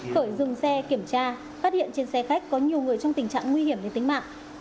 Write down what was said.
khởi dừng xe kiểm tra phát hiện trên xe khách có nhiều người trong tình trạng nguy hiểm đến tính mạng